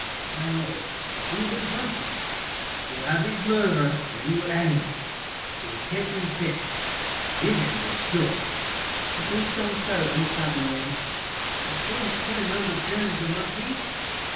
My lord, We'll comfort you. We have his murderer, And we will hang him. We have kept him safe. His end is sure. [To Brichanteau and Saverny. But can one understand The Marquis?